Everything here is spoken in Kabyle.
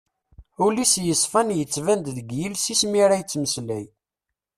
Ul-is yesfan yettban-d deg yiles-is mi ara yettmeslay.